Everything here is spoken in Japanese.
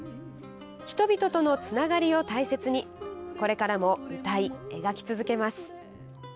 人々とのつながりを大切にこれからも歌い、描き続けます。